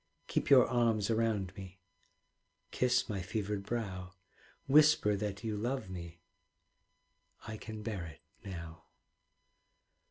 Keep your arms around me, Kiss my fevered brow, Whisper that you love me I can bear it now.